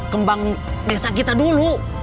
kembang desa kita dulu